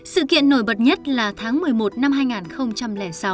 sự kiện nổi bật nhất là tháng một mươi một năm hai nghìn sáu